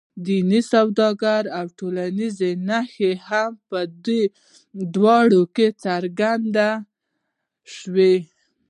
دین، سوداګري او ټولنیزې نښې هم په دې دوره کې څرګندې شوې.